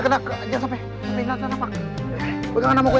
aduh ini semua gara gara gua